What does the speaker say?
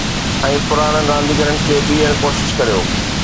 ۽ پراڻن رانديگرن کي ٻيهر ڪوشش ڪريو